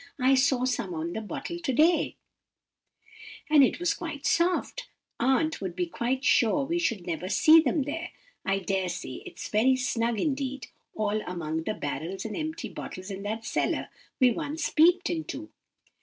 I saw some on the bottle to day, and it was quite soft. Aunt would be quite sure we should never see them there. I dare say it's very snug indeed all among the barrels and empty bottles in that cellar we once peeped into.